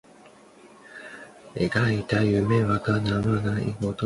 原姓粟根。